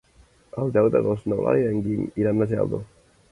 El deu d'agost n'Eulàlia i en Guim iran a Geldo.